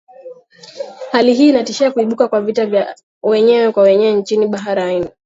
hali hii inatishia kuibuka kwa vita vya wenyewe kwa wenyewe nchini bahrain